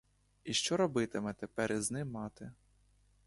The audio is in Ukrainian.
І що робитиме тепер із ним мати?